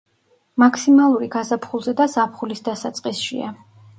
მაქსიმალური გაზაფხულზე და ზაფხულის დასაწყისშია.